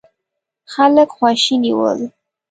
خلک خواشيني ول.